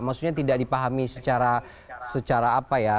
maksudnya tidak dipahami secara apa ya